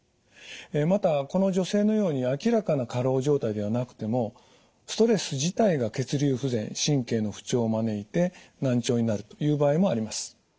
またこの女性のように明らかな過労状態ではなくてもストレス自体が血流不全神経の不調を招いて難聴になるという場合もあります。